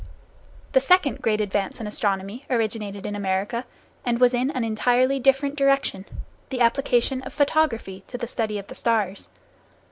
The second great advance in astronomy originated in America, and was in an entirely different direction, the application of photography to the study of the stars.